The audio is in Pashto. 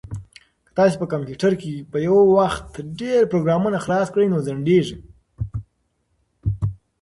که تاسي په کمپیوټر کې په یو وخت ډېر پروګرامونه خلاص کړئ نو ځنډیږي.